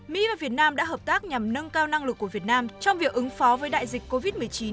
mỹ và việt nam đã hợp tác nhằm nâng cao năng lực của việt nam trong việc ứng phó với đại dịch covid một mươi chín